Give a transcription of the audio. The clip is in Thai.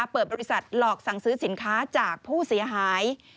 เปิดบริษัทหลอกสั่งซื้อสินค้าจากผู้เสียหาย